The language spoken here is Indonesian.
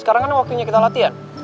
sekarang kan waktunya kita latihan